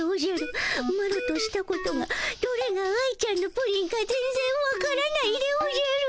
マロとしたことがどれが愛ちゃんのプリンか全ぜんわからないでおじゃる。